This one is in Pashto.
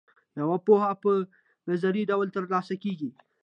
یوه پوهه په نظري ډول ترلاسه کیږي.